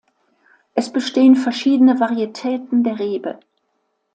Es bestehen verschiedene Varietäten der Rebe.